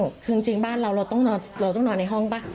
คือจริงจริงบ้านเราเราต้องนอนเราต้องนอนในห้องป่ะ